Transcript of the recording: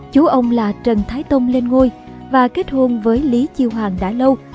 chú ông là trần thái tông lên ngôi và kết hôn với lý chiêu hoàng đã lâu